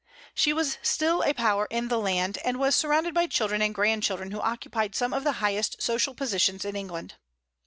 She was still a power in the land, and was surrounded by children and grandchildren who occupied some of the highest social positions in England.